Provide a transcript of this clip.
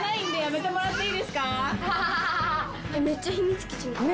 めっちゃ秘密基地みたい。